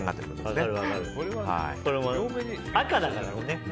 赤だからね。